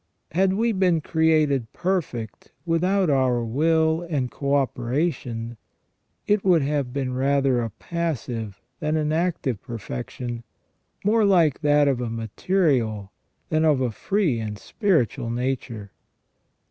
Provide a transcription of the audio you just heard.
Had we been created perfect without our will and co operation, it would have been rather a passive than an active perfection, more like that of a material than of a free and spiritual nature.